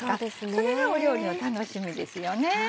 それが料理の楽しみですよね。